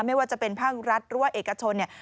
ไม่ว่าจะเป็นภาครัฐหรือว่าเอกชนเนี่ย